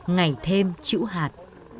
ngảy thêm chữ hạt